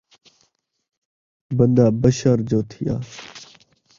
بندہ بشر جو تھیا